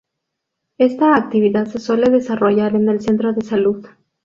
Esta actividad se suele desarrollar en el centro de salud.